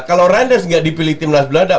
kalau rinders nggak dipilih timnas belanda